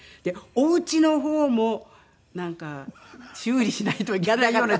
おうちの方も修理しないといけないような状況。